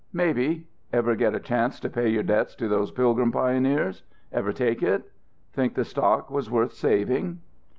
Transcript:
"Maybe. Ever get a chance to pay your debt to those Pilgrim pioneers? Ever take it? Think the stock was worth saving?"